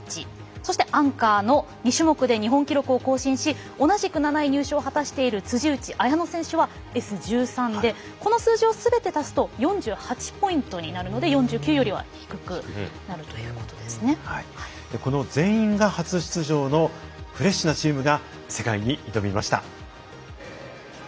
そして、アンカーの２種目で日本記録を更新し同じく７位入賞を果たしている辻内彩野選手はＳ１３でこの数字をすべて足すと４８ポイントになるので４９よりは低くなるこの全員が初出場のフレッシュなチームが世界に挑みました。